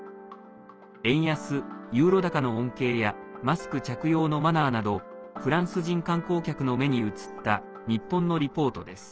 円安ユーロ高の恩恵やマスク着用のマナーなどフランス人観光客の目に映った日本のリポートです。